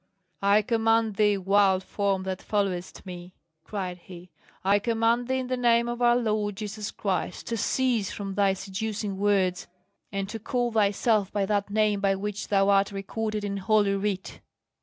"I command thee, wild form that followest me," cried he, "I command thee, in the name of our Lord Jesus Christ, to cease from thy seducing words, and to call thyself by that name by which thou art recorded in Holy Writ!"